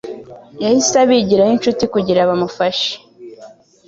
yahise abigiraho inshuti kugirabamufashe